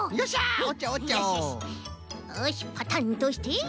よしパタンとして。